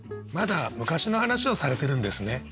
まだ昔の話をされてるんですね。